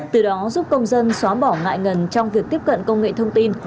từ đó giúp công dân xóa bỏ ngại ngần trong việc tiếp cận công nghệ thông tin